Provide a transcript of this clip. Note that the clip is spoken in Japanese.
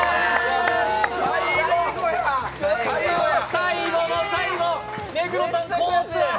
最後の最後、目黒さん、コース